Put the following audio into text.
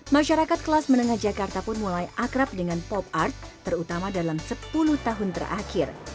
masyarakat kelas menengah jakarta pun mulai akrab dengan pop art terutama dalam sepuluh tahun terakhir